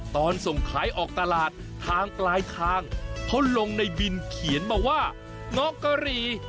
ตอนส่งขายออกตลาดทางปลายทางเขาลงในบินเขียนมาว่าเงาะกะหรี่